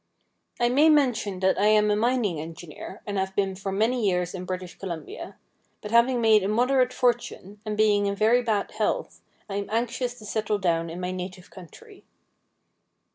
' I may mention that I am a mining engineer, and have been for many years in British Columbia. But having made a moderate fortune, and being in very bad health, I am anxious to settle down in my native country.'